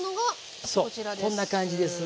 そうこんな感じです。